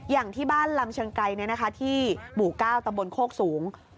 อย่างที่บ้านลำเชิงไกรที่หมู่๙ตำบลโคกสูง